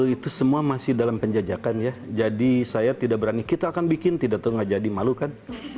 itu semua masih dalam penjajakan ya jadi saya tidak berani kita akan bikin pidato nggak jadi malu kan